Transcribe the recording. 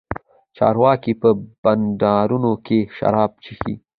چارواکي په بنډارونو کښې شراب چښي.